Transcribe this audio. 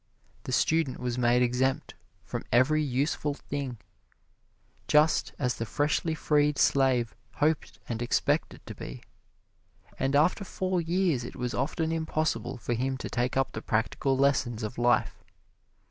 The student was made exempt from every useful thing, just as the freshly freed slave hoped and expected to be, and after four years it was often impossible for him to take up the practical lessons of life.